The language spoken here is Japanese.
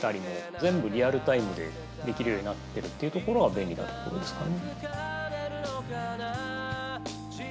全部リアルタイムでできるようになってるっていうところが便利なところですかね。